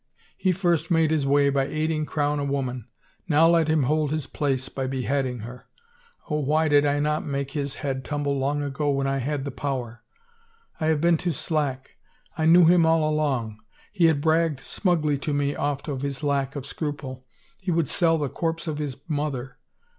He first made his way by aiding crown a woman — now let him hold his place by beheading her. Oh, why did I not make his head tumble long ago when I had the power I I have been too slack. I knew him all along. He had bragged smugly to me oft of his lack of scruple. He would sell the corpse of his mother.